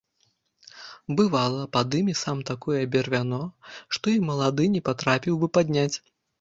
Бывала, падыме сам такое бервяно, што і малады не патрапіў бы падняць.